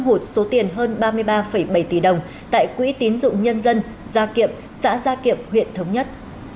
hụt số tiền hơn ba mươi ba bảy tỷ đồng tại quỹ tín dụng nhân dân gia kiệm xã gia kiệm huyện thống nhất